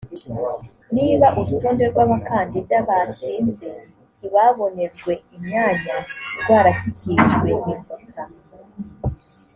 niba urutonde rw abakandida batsinze ntibabonerwe imyanya rwarashyikirijwe mifotra